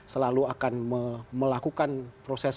selalu akan melakukan proses